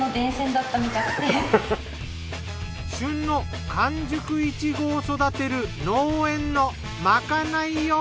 旬の完熟イチゴを育てる農園のまかないを拝見！